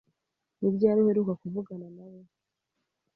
Ni ryari uheruka kuvugana nawe ?